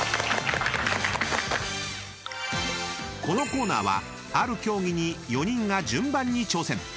［このコーナーはある競技に４人が順番に挑戦］